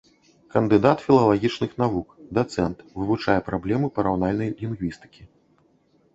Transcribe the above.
Кандыдат філалагічных навук, дацэнт, вывучае праблемы параўнальнай лінгвістыкі.